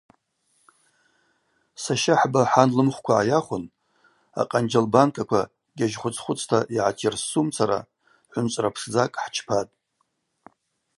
Сащахӏба хӏан лымхвква гӏайахвын акъанджьал банкаква гьажь хвыц-хвыцта йгӏатйырссумцара хӏвынчӏвра пшдзакӏ хӏчпатӏ.